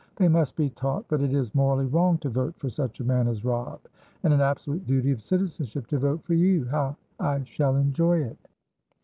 They must be taught that it is morally wrong to vote for such a man as Robb, and an absolute duty of citizenship to vote for you. How I shall enjoy it!"